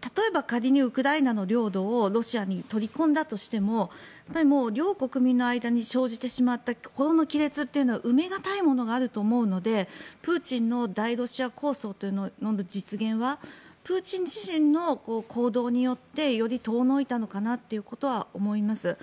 例えば、仮にウクライナの領土をロシアに取り込んだとしても両国民の間に生じてしまった心の亀裂というのは埋め難いものがあると思うのでプーチンの大ロシア構想というものの実現はプーチン自身の行動によってより遠のいたのかなとは思います。